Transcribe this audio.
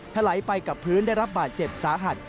ถลายไปกับพื้นได้รับบาดเจ็บสาหัส